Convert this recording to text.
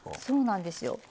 そうなんですよ。